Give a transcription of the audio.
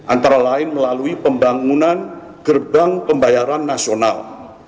antara lain melalui pembangunan gerbang pembayaran nasional